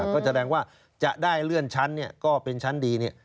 ก็แสดงว่าจะได้เลื่อนชั้นเนี่ยก็เป็นชั้นดีเนี่ย